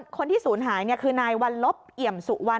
คนที่ศูนย์หายคือนายวัลลบเอี่ยมสุวรรณ